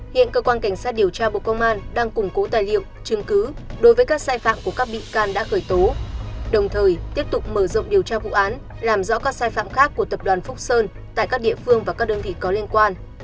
hiện cơ quan cảnh sát điều tra bộ công an đang củng cố tài liệu chứng cứ đối với các sai phạm của các bị can đã khởi tố đồng thời tiếp tục mở rộng điều tra vụ án làm rõ các sai phạm khác của tập đoàn phúc sơn tại các địa phương và các đơn vị có liên quan